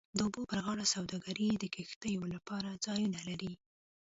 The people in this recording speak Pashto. د اوبو پر غاړه سوداګرۍ د کښتیو لپاره ځایونه لري